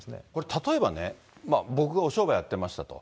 例えばね、僕がお商売やってましたと。